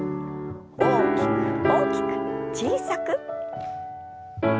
大きく大きく小さく。